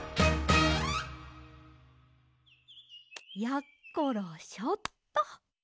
やっころしょっと。